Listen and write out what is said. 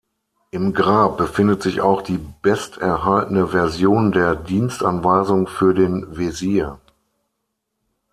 Im Grab befindet sich auch die besterhaltene Version der Dienstanweisung für den Wesir.